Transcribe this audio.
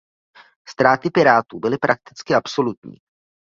Ztráty pirátů byly prakticky absolutní.